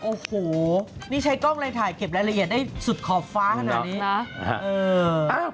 โอ้โหนี่ใช้กล้องเลยถ่ายเก็บรายละเอียดได้สุดขอบฟ้าขนาดนี้นะ